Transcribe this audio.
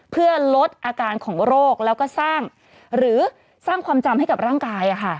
เพื่อลดอาการของโรคแล้วก็สร้างหรือสร้างความจำให้กับร่างกาย